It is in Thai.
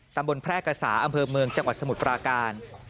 ตามบนแพรกกระสาอำเภอเมืองจังหวัดสมุดปราการ